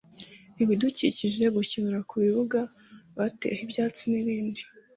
ibidukikije gukinira ku bibuga bateyeho ibyatsi n ibindi